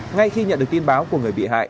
ngay khi nhận được tin báo của người bị hại